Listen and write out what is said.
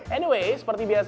anyway seperti biasa